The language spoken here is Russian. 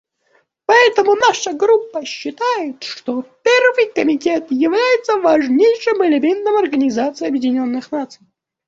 Поэтому наша Группа считает, что Первый комитет является важнейшим элементом Организации Объединенных Наций.